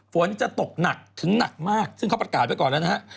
ฝนจะตกหนักถึงหนักมากซึ่งเขาประกาศไว้ก่อนแล้วนะฮะ